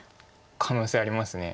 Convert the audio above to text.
可能性あります。